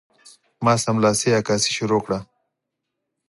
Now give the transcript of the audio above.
ما سملاسي عکاسي شروع کړه.